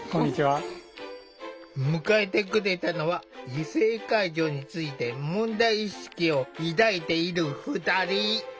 迎えてくれたのは異性介助について問題意識を抱いている２人。